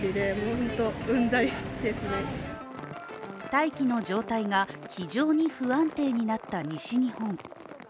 大気の状態が非常に不安定になった西日本。